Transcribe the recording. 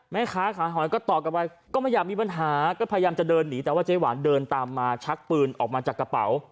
แม่ค้าขายหอยก็ตอบกลับไปก็ไม่อยากมีปัญหาก็พยายามจะเดินหนีแต่ว่าเจ๊หวานเดินตามมาชักปืนออกมาจากกระเป๋า